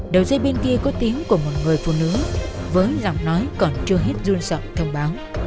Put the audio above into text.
đường dây bên kia có tiếng của một người phụ nữ với giọng nói còn chưa hết run dọ thông báo